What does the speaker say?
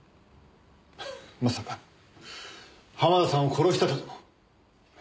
まさか濱田さんを殺したとでも？